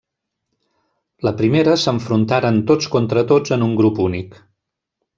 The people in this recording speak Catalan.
La primera s'enfrontaren tots contra tots en un grup únic.